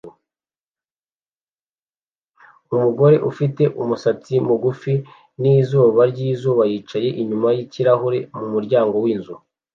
Umugore ufite umusatsi mugufi nizuba ryizuba yicaye inyuma yikirahure mumuryango winzu